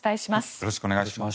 よろしくお願いします。